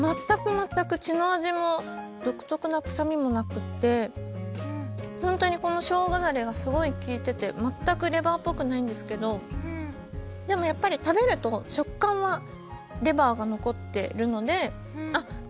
全く全く血の味も独特の臭みもなくって本当にこのしょうがだれがすごい利いてて全くレバーっぽくないんですけどでもやっぱり食べると食感はレバーが残ってるのであっ